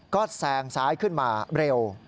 ก็แซงซ้ายขึ้นมาเร็ว